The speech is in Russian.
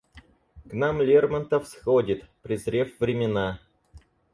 К нам Лермонтов сходит, презрев времена.